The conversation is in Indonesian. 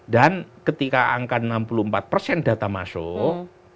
dan ketika angka enam puluh empat data masuk